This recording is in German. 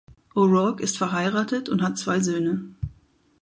O’Rourke ist verheiratet und hat zwei Söhne.